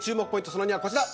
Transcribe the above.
その２は、こちら。